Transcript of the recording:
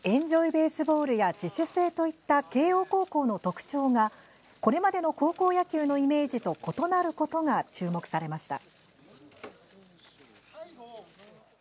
・ベースボールや自主性といった慶応高校の特徴がこれまでの高校野球のイメージと異なることが注目されました。